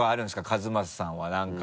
和正さんは何か。